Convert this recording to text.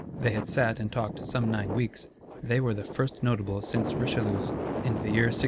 They had sat, and talked, some nine weeks: they were the first Notables since Richelieu's, in the year 1626.